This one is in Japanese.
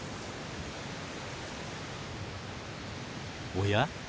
おや？